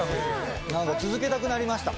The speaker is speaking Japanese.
なんか続けたくなりました。